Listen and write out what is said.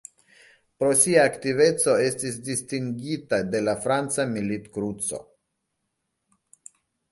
Pro sia aktiveco estis distingita de la franca Milit-Kruco.